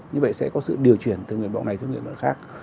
như vậy sẽ có sự điều chuyển từ nguyện vọng này sang nguyện vọng khác